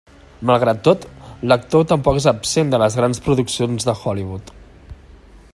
Malgrat tot, l'actor no és tampoc absent de les grans produccions de Hollywood.